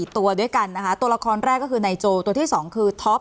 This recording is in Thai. ตัวด้วยกันนะคะตัวละครแรกก็คือนายโจตัวที่๒คือท็อป